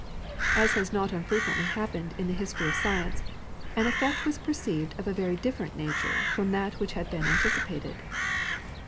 As has not unfrequently happened in the history of science, an effect was perceived of a very different nature from that which had been anticipated.